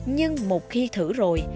nhưng một khi thử rồi